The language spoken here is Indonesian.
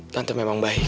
tante memang baik